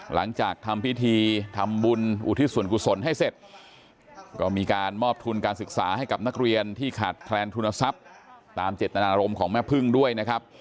หลังจากทำพิธีทำบุญอุทิศส่วนกุศลให้เสร็จก็มีการมอบทุนการศึกษาให้กับนักเรียนที่ขาดแคลนทุนทรัพย์ตามเจตนารมณ์ของแม่พึ่งด้วยนะครับ